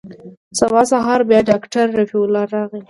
سبا سهار بيا ډاکتر رفيع الله راغى.